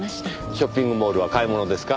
ショッピングモールは買い物ですか？